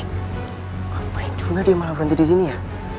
ngapain juga dia malah berhenti disini ya